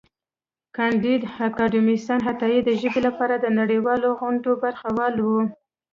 کانديد اکاډميسن عطايي د ژبې لپاره د نړیوالو غونډو برخه وال و.